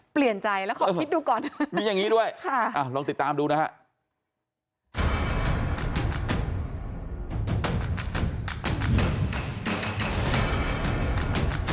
เปลี่ยนใจแล้วขอคิดดูก่อนมีอย่างนี้ด้วยค่ะลองติดตามดูนะฮะ